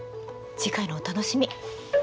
次回のお楽しみ。